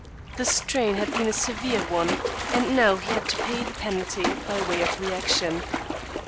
The strain had been a severe one, and now he had to pay the penalty by way of reaction.